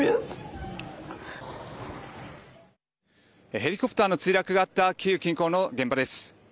ヘリコプターの墜落があったキーウ近郊の現場です。